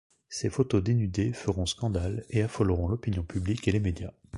Ces photos dénudées feront scandales et affoleront l'opinion publique et les médias.